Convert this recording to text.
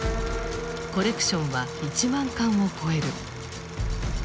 コレクションは１万巻を超える。